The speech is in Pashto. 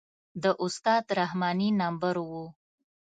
د استاد رحماني نمبر و.